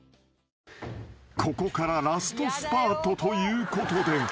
［ここからラストスパートということで］